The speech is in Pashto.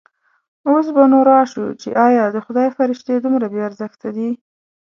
اوس به نو راشو چې ایا د خدای فرښتې دومره بې ارزښته دي.